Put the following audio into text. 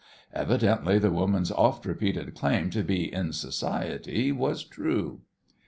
Evidently the woman's oft repeated claim to be in society was true.